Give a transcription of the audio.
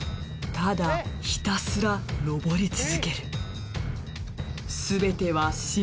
ただひたすら登り続ける。